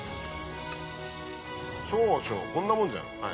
少々こんなもんじゃんはい。